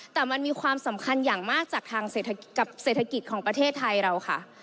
แต่มันมีความสำคัญอย่างมากจากทางเศรษฐกิจของประเทศไทยเราค่ะ